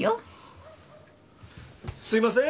すみません！